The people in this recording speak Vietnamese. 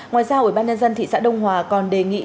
ngoài ra ubnd thị xã đông hòa còn đề nghị